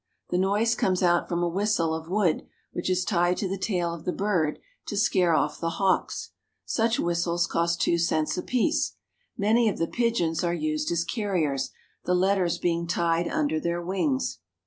The noise comes from a whistle of wood which is tied to the tail of the bird to scare off the hawks. Such whistles cost two cents apiece. Many of the pigeons are used as carriers, the letters being tied under their wings.